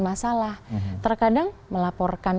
masalah terkadang melaporkan